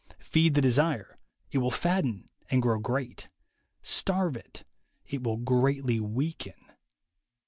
Feed the desire, it will fatten and grow great; starve it, it will greatly weaken.